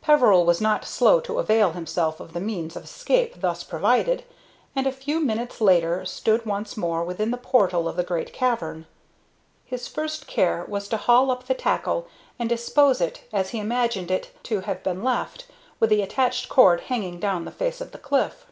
Peveril was not slow to avail himself of the means of escape thus provided, and a few minutes later stood once more within the portal of the great cavern. His first care was to haul up the tackle and dispose it as he imagined it to have been left, with the attached cord hanging down the face of the cliff.